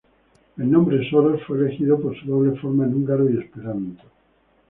El nombre "Soros" fue elegido por su doble forma en húngaro y esperanto.